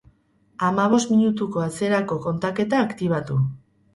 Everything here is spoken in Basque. Hamabos minutuko atzerako kontaketa aktibatu.